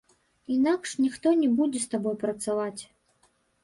Інакш ніхто не будзе з табой працаваць.